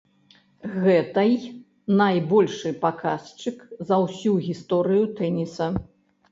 Гэтай найбольшы паказчык за ўсю гісторыю тэніса.